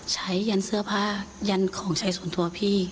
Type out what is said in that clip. ยันเสื้อผ้ายันของใช้ส่วนตัวพี่